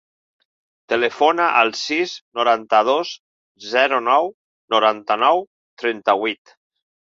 Telefona al sis, noranta-dos, zero, nou, noranta-nou, trenta-vuit.